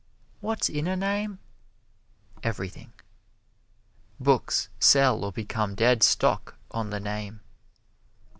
What's in a name? Everything. Books sell or become dead stock on the name.